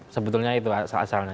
sebetulnya itu asalnya